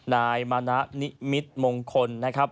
นายมณะนิมิตมงคลนะครับ